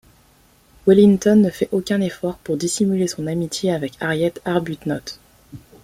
Wellington ne fait aucun effort pour dissimuler son amitié avec Harriet Arbuthnot.